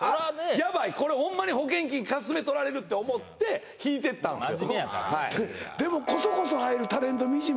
ヤバいこれホンマに保険金かすめとられるって思って引いてったんすよ